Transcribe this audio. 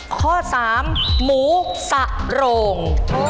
ข้อ๓หมูสะโรง